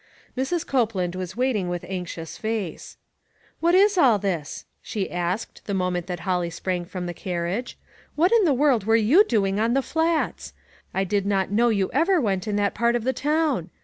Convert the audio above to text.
Mrs. Copeland was waiting with anxious face. v " What is all this ?" she asked, the mo ment that Holly sprang from the carriage. " What in the world were you doing on the Flats? I did not know you ever went in that part of the town.